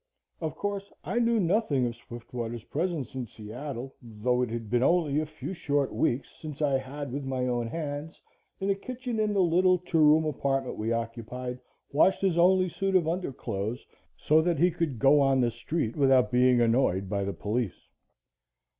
Of course, I knew nothing of Swiftwater's presence in Seattle, though it had been only a few short weeks since I had, with my own hands, in the kitchen in the little two room apartment we occupied, washed his only suit of underclothes, so that he could go on the street without being annoyed by the police.